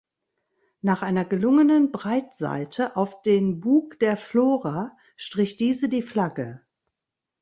Nach einer gelungenen Breitseite auf den Bug der "Flora" strich diese die Flagge.